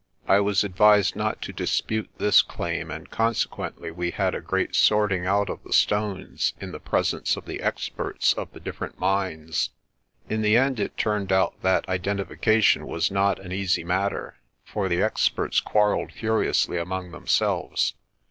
I was advised not to dispute this claim and conse quently we had a great sorting out of the stones in the pres ence of the experts of the different mines. In the end it turned out that identification was not an easy matter, for the experts quarrelled furiously among themselves.